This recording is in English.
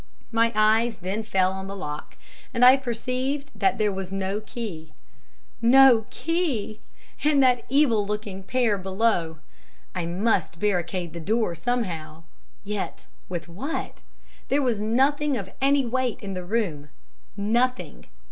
My eyes then fell on the lock, and I perceived that there was no key. No key! And that evil looking pair below! I must barricade the door somehow. Yet with what? There was nothing of any weight in the room! Nothing!